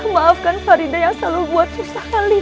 maafkan farida yang selalu membuat susah kalian